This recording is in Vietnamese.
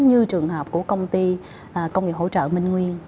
như trường hợp của công ty công nghiệp hỗ trợ minh nguyên